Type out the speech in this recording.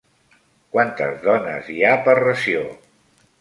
Quantes dones hi ha per ració?